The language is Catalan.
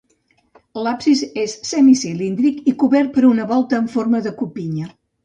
L'absis és semicilíndric i cobert per una volta amb forma de copinya.